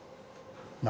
何？